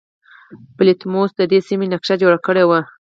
بطلیموس د دې سیمې نقشه جوړه کړې وه